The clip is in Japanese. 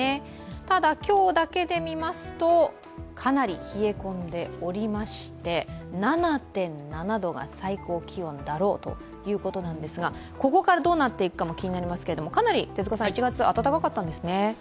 ただ、今日だけで見ますとかなり冷え込んでおりまして７．７度が最高気温だろうということなんですがここからどうなっていくかも気になりますけどかなり１月は暖かかったんですね。